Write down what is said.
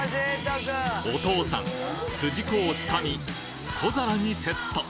お父さんすじこを掴み小皿にセット